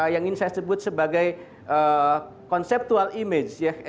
yang ingin saya sebut sebagai conceptual image